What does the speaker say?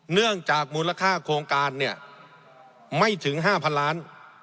เนื่องจากมูลค่าโครงการเนี่ยไม่ถึง๕๐๐๐ล้าน